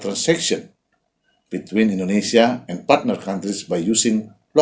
antara indonesia dan negara pasangan